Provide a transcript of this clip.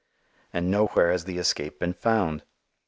And nowhere has the escape been found.